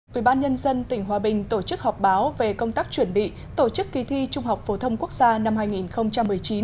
quỹ ban nhân dân tỉnh hòa bình tổ chức họp báo về công tác chuẩn bị tổ chức kỳ thi trung học phổ thông quốc gia năm hai nghìn một mươi chín